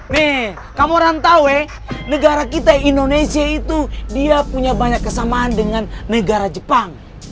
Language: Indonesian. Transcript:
nih kamu rantawe negara kita indonesia itu dia punya banyak kesamaan dengan negara jepang